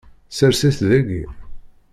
Sres-it daki.